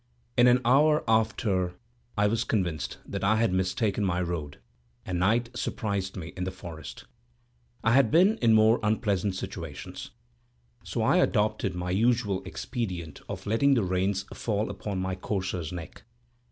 In an hour after, I was convinced that I had mistaken my road, and night surprised me in the forest. I had been in more unpleasant situations; so I adopted my usual expedient of letting the reins fall upon my courser's neck.